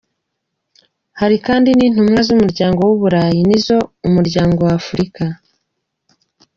Hari kandi intumwa z'umuryango w'Ubulaya, n'izo Umuryango w'Afrika.